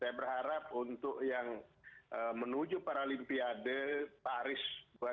saya berharap untuk yang menuju paralimpiade paris dua ribu dua puluh